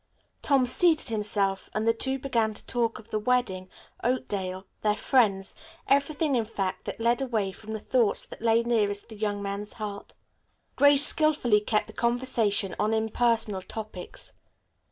Tom seated himself, and the two began to talk of the wedding, Oakdale, their friends, everything in fact that led away from the thoughts that lay nearest the young man's heart. Grace skilfully kept the conversation on impersonal topics.